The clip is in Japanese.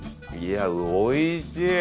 おいしい。